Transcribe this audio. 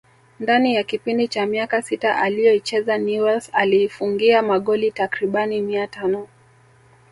Ndani ya kipindi cha miaka sita aliyoichezea Newells aliifungia magoli takribani mia tano